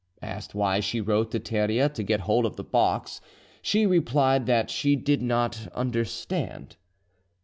Asked why she wrote to Theria to get hold of the box, she replied that she did not understand.